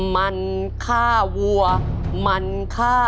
มันฆ่าวัวมันฆ่า